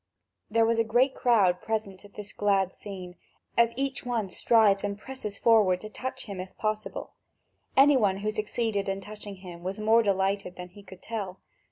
There was a great crowd present at this glad scene, as each one strives and presses forward to touch him if possible. Any one who succeeded in touching him was more delighted than he could tell.